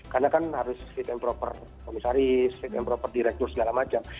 karena kan harus state and proper komisaris state and proper director segala macam